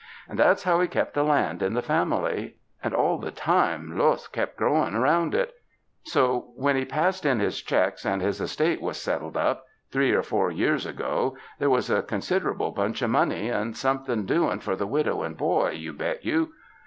And that's how he kep' the land in the family, and, all the time, Los kep' growing around it. So, when he passed in his checks and his estate was settled up three or four years ago, there was a considerable bunch of money and somethin' doin' for the widow and boy, you bet you.